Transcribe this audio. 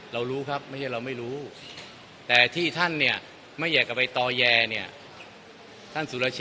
เรารู้ครับไม่ใช่เราไม่รู้